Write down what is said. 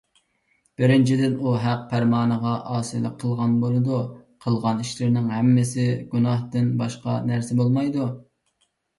بىرىنچىدىن، ئۇ ھەق پەرمانىغا ئاسىيلىق قىلغان بولىدۇ. قىلغان ئىشلىرىنىڭ ھەممىسى گۇناھتىن باشقا نەرسە بولمايدۇ.